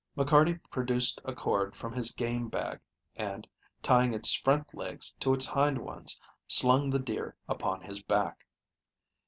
McCarty produced a cord from his game bag, and, tying its front legs to its hind ones, slung the deer upon his back.